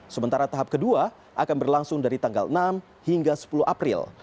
sementara tahap kedua akan berlangsung dari tanggal enam hingga sepuluh april